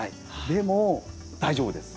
でも大丈夫です。